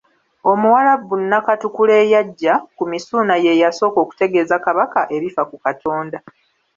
Omuwarabu Nakatukula eyajja, ku Misuuna ye yasooka okutegeeza Kabaka ebifa ku Katonda.